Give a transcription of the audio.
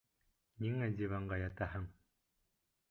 Ниңә диванға ятаһың?